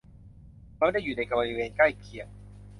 มันไม่ได้อยู่ในบริเวณใกล้เคียง